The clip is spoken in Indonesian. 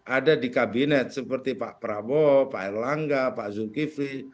ada di kabinet seperti pak prabowo pak erlangga pak zulkifli